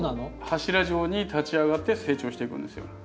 柱状に立ち上がって成長していくんですよ。